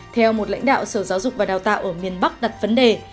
theo một lãnh đạo sở giáo dục và đào tạo ở miền bắc đặt vấn đề